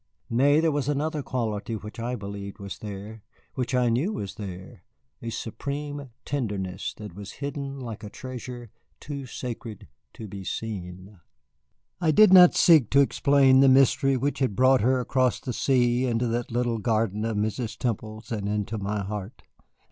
Nay, there was another quality which I believed was there which I knew was there a supreme tenderness that was hidden like a treasure too sacred to be seen. I did not seek to explain the mystery which had brought her across the sea into that little garden of Mrs. Temple's and into my heart.